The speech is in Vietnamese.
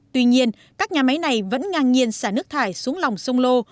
tuy nhiên các nhà máy này vẫn ngang nhiên xả nước thải xuống lòng sông lô